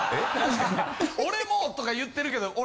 「俺も！」とか言ってるけど俺。